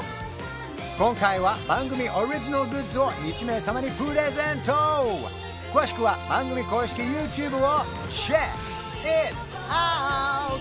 今回は番組オリジナルグッズを１名様にプレゼント詳しくは番組公式ＹｏｕＴｕｂｅをＣｈｅｃｋｉｔｏｕｔ！